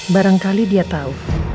barangkali dia tau